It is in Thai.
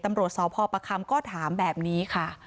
ตำรวจสพประคำก็ถามแบบนี้ค่ะ